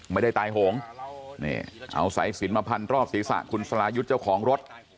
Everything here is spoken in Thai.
ไม่ได้ตายโหงนี่เอาสายสินมาพันรอบศีรษะคุณสรายุทธ์เจ้าของรถ